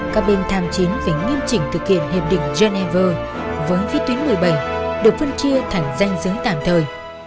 các bên tham chiến phải nghiêm chỉnh thực hiện hiệp định geneva với phía tuyến một mươi bảy được phân chia thành danh giới tạm thời